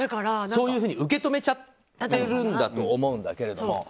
そういうふうに受け止めちゃってるんだと思うんだけども。